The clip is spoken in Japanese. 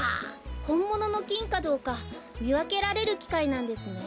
ほんもののきんかどうかみわけられるきかいなんですね。